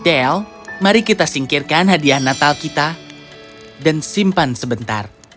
detail mari kita singkirkan hadiah natal kita dan simpan sebentar